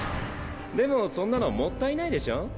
でもそんなのもったいないでしょ？